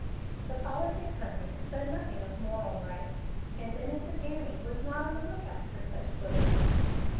The politic Hunting said nothing of moral right, and innocent Annie was not on the lookout for such quibbles.